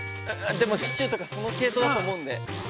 でも、シチューとか、その系統だと思うんで。